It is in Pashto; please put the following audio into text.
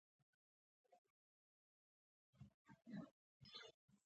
ځینو خلکو ته هېڅ انتظار مه کوئ دا حقیقت دی.